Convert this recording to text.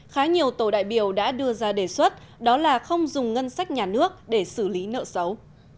khá nhiều tổ đại biểu đã đưa ra đề xuất đó là không dùng ngân sách nhà nước để xử lý nợ xấu